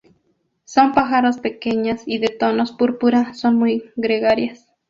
Son pájaros pequeñas y de tonos púrpura, son muy gregarias.